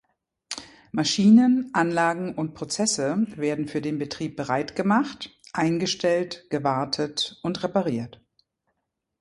Maschinen, Anlagen und Prozesse werden für den Betrieb bereit gemacht, eingestellt, gewartet und repariert.